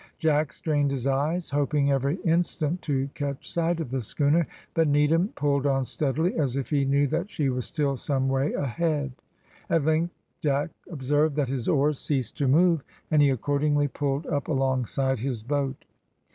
Jack strained his eyes, hoping every instant to catch sight of the schooner, but Needham pulled on steadily, as if he knew that she was still some way ahead. At length Jack observed that his oars ceased to move, and he accordingly pulled up alongside his boat.